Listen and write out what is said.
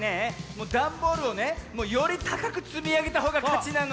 もうダンボールをねよりたかくつみあげたほうがかちなの。